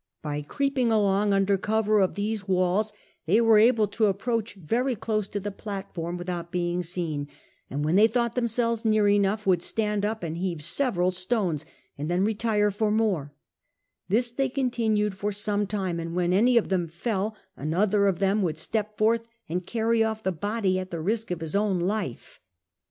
By creeping along under cover of these walls, they were able to approach very close to the platform without being seen ; and when they thought themselves near enough would stand up and heave several stones, and then retire for more ; this they continued for some time, and when any of them fell, another of them would step forth and carry off the body at the risk of his own life.